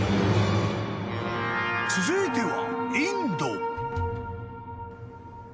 ［続いては］